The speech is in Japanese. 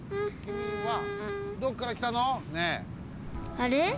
あれ？